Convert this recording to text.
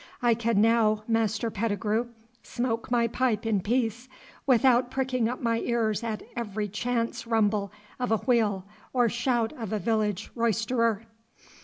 I can now, Master Pettigrue, smoke my pipe in peace, without pricking up my ears at every chance rumble of a wheel or shout of a village roisterer.